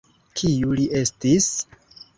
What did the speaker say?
Kiu li estis?